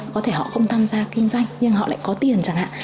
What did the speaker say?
có thể họ không tham gia kinh doanh nhưng họ lại có tiền chẳng hạn